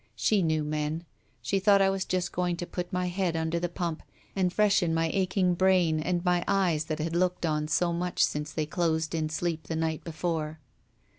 She knew men; she thought I was just going to put my head under the pump, and freshen my aching brain and my eyes that had looked on so much since they closed in sleep the night before.